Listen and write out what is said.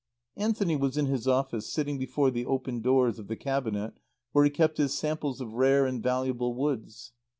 Anthony was in his office, sitting before the open doors of the cabinet where he kept his samples of rare and valuable woods.